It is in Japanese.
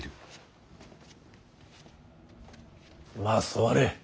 まあ座れ。